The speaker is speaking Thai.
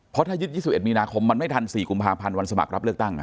เพราะถ้ายึด๒๑มีนาคมมันไม่ทัน๔กุมภาพันธ์วันสมัครรับเลือกตั้ง